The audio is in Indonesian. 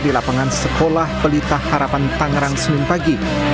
di lapangan sekolah pelita harapan tangerang senin pagi